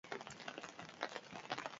Zer aurreratu diezagukezue berari buruz?